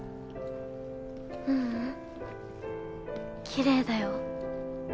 ううんきれいだよ。